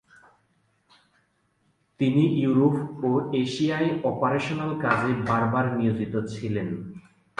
তিনি ইউরোপ ও এশিয়ায় অপারেশনাল কাজে বারবার নিয়োজিত ছিলেন।